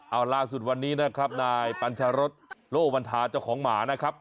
เอาล่าสุดวันนี้นะครับนายปัญชารสโล่วันทาเจ้าของหมานะครับ